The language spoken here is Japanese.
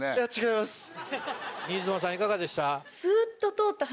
いかがでした？